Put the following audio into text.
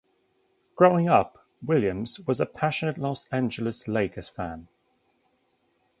Growing up, Williams was a passionate Los Angeles Lakers fan.